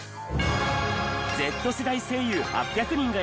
Ｚ世代声優８００人が選ぶ！